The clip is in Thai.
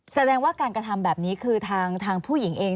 แสดงว่าการกระทำแบบนี้คือทางผู้หญิงเอง